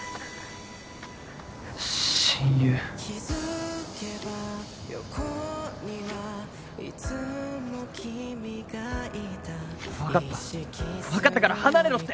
親友分かった分かったから離れろって！